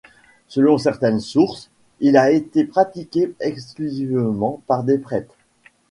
Selon certaines sources, il a été pratiqué exclusivement par des prêtres.